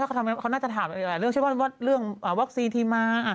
แล้วเขาน่าจะถามอะไรเรื่องว่าวัคซีนที่มา